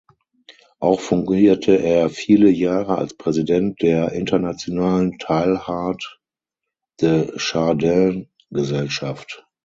Auch fungierte er viele Jahre als Präsident der "Internationalen Teilhard de Chardin-Gesellschaft".